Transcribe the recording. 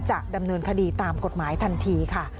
จะดำเนินคดีตามกฎหมายทันทีค่ะ